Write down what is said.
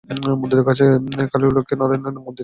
মন্দিরের কাছে কালী ও লক্ষ্মী-নারায়ণের মন্দির আছে।